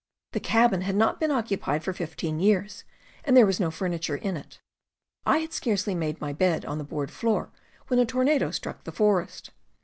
The cabin had not been occupied for fifteen years, and there was no furniture in it. I had scarcely made my bed on the board floor when a tornado struck the forest.